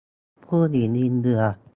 ผู้หญิงยิงเรือ